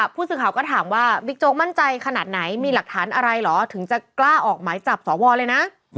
ผู้สื่อข่าวก็ถามว่าบิ๊กโจ๊กมั่นใจขนาดไหนมีหลักฐานอะไรเหรอถึงจะกล้าออกหมายจับสวเลยนะ